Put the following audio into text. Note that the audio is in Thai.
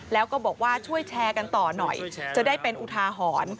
แล้วก็บอกว่าช่วยแชร์กันต่อหน่อยจะได้เป็นอุทาหรณ์